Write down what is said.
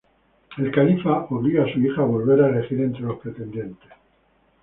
El califa obliga a su hija a volver a elegir entre los pretendientes.